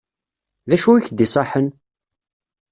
D acu i k-d-iṣaḥen?